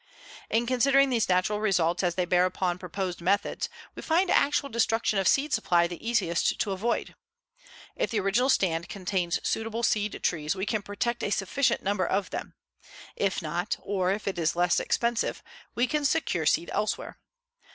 In considering these natural results as they bear upon proposed methods, we find actual destruction of seed supply the easiest to avoid. If the original stand contains suitable seed trees we can protect a sufficient number of them. If not, or if it is less expensive, we can secure seed elsewhere.